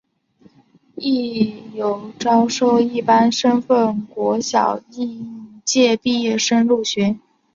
亦有招收一般身份国小应届毕业生入学。